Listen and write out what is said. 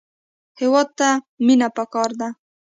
هېواد ته مینه پکار ده